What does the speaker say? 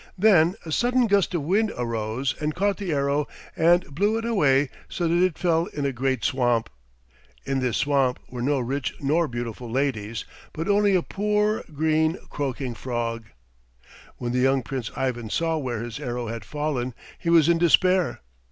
Then a sudden gust of wind arose and caught the arrow and blew it away so that it fell in a great swamp. In this swamp were no rich nor beautiful ladies, but only a poor, green, croaking frog. When the young Prince Ivan saw where his arrow had fallen he was in despair.